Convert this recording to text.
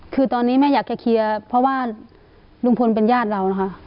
คือตอนนี้แม่อยากจะเคลียร์เพราะว่าลุงพลเป็นญาติเรานะคะ